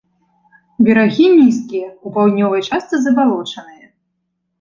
Берагі нізкія, у паўднёвай частцы забалочаныя.